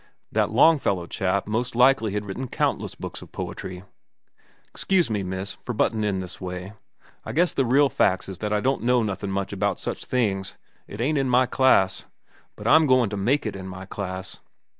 That Longfellow chap most likely had written countless books of poetry. "Excuse me, miss, for buttin' in that way. I guess the real facts is that I don't know nothin' much about such things. It ain't in my class. But I'm goin' to make it in my class."